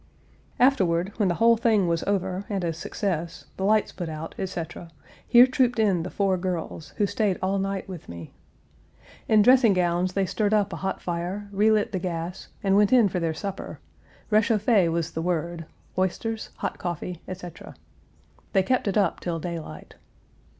Afterward, when the whole thing was over, and a success, the lights put out, etc., here trooped in the four girls, who stayed all night with me. In dressing gowns they Page 287 stirred up a hot fire, relit the gas, and went in for their supper; réchauffé was the word, oysters, hot coffee, etc. They kept it up till daylight.